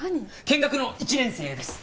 見学の１年生です。